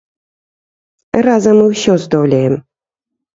Разам мы ўсё здолеем.